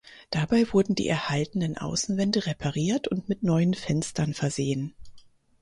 Dabei wurden die erhaltenen Außenwände repariert und mit neuen Fenstern versehen.